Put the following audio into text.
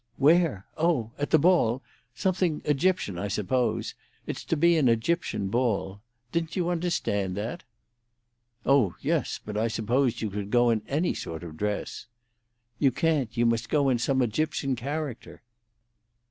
"Wear? Oh! At the ball! Something Egyptian, I suppose. It's to be an Egyptian ball. Didn't you understand that?" "Oh yes. But I supposed you could go in any sort of dress." "You can't. You must go in some Egyptian character."